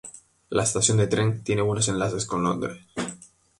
La estación de tren tiene buenos enlaces con Londres.